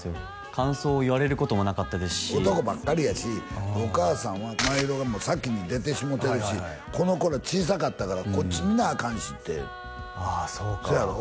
感想を言われることもなかった男ばっかりやしお母さんは真宙が先に出てしもうてるしこの子ら小さかったからこっち見なあかんしってああそうかそうやろ？